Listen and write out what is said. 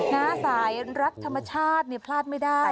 น้าสายรักธรรมชาติพลาดไม่ได้